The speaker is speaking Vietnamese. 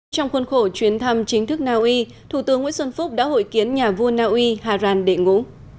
trong khuôn khổ chuyến thăm chính thức naui thủ tướng nguyễn xuân phúc đã hội kiến nhà vua naui hàran đệ ngũ